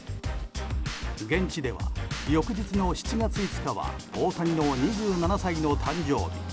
現地では翌日の７月５日は大谷の２７歳の誕生日。